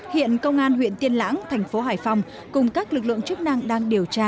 hiện công an huyện tiên lãng thành phố hải phòng cùng các lực lượng chức năng đang điều tra